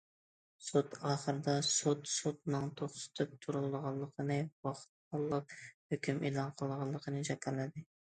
سوت ئاخىرىدا، سوت سوتنىڭ توختىتىپ تۇرۇلىدىغانلىقىنى، ۋاقىت تاللاپ ھۆكۈم ئېلان قىلىدىغانلىقىنى جاكارلىدى.